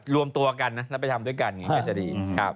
รวมตัวกันนะแล้วไปทำด้วยกันก็จะดี